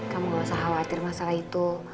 kamu gak usah khawatir masalah itu